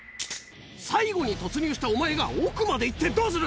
最後に突入したお前が奥まで行ってどうする。